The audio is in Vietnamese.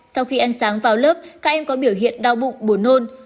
sau khi ăn sáng vào lớp các em có biểu hiện đau bụng buồn nôn